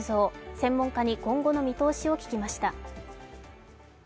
専門家に今後の見通しを聞きました。